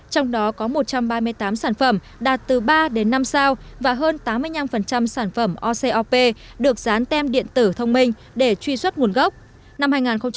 trong đó có một trăm ba mươi tám sản phẩm đạt từ ba đến năm sao và hơn tám mươi năm sản phẩm ocop được dán tem điện tử thông minh để truy xuất nguồn gốc